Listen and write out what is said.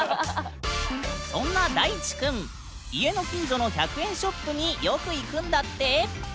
そんな大智くん家の近所の１００円ショップによく行くんだって。